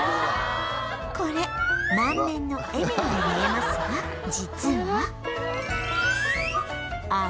これ満面の笑みに見えますが実は